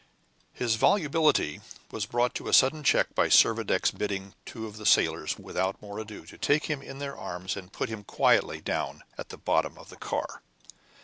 His volubility was brought to a sudden check by Servadac's bidding two of the sailors, without more ado, to take him in their arms and put him quietly down at the bottom of the car.